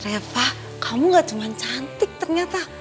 reva kamu gak cuma cantik ternyata